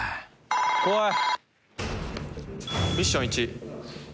怖い。